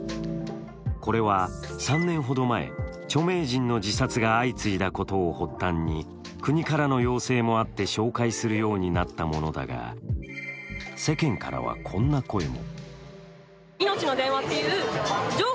これは、３年ほど前著名人の自殺が相次いだことを発端に国からの要請もあって紹介するようになったものだが、世間からはこんな声も。